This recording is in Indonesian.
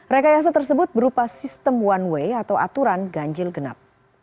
rekayasa tersebut berupa sistem one way atau aturan ganjil genap